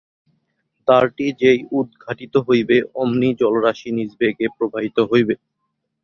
দ্বারটি যেই উদ্ঘাটিত হইবে, অমনি জলরাশি নিজবেগে প্রবাহিত হইবে।